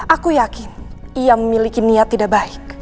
aku yakin ia memiliki niat tidak baik